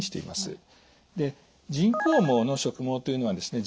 人工毛の植毛というのはですね